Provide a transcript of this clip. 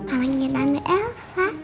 orangnya tanda elsa